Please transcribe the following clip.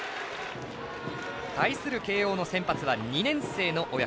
対する慶応の先発は２年生の小宅。